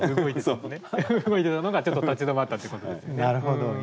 動いていたのがちょっと立ち止まったということですよね。